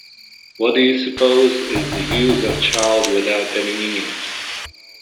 What do you suppose is the use of child without any meaning?